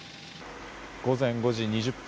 午前５時２０分